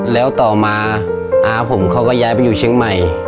แล้วต่อมาอาผมเขาก็ย้ายไปอยู่เชียงใหม่